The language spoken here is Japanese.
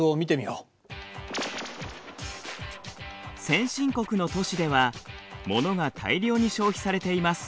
先進国の都市では物が大量に消費されています。